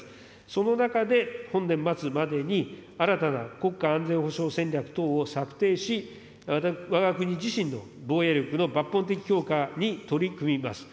その中で、本年末までに、新たな国家安全保障戦略等を策定し、わが国自身の防衛力の抜本的強化に取り組みます。